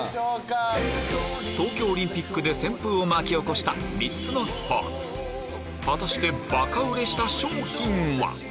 東京オリンピックで旋風を巻き起こした３つのスポーツ果たしてバカ売れした商品は？